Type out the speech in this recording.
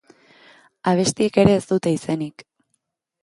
Abestiek ere ez dute izenik.